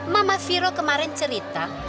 mama viroh kemarin cerita